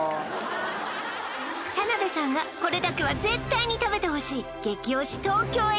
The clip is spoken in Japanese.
田辺さんがこれだけは絶対に食べてほしい激推し東京駅